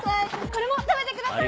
これも食べてください！